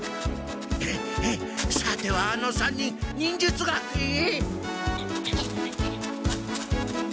さてはあの３人忍術学園へ？